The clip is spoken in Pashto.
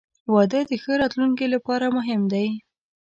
• واده د ښه راتلونکي لپاره مهم دی.